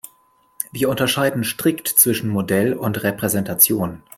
Wir unterscheiden strikt zwischen Modell und Repräsentation.